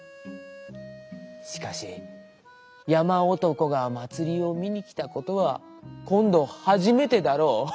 しかしやまおとこがまつりをみにきたことはこんどはじめてだろう。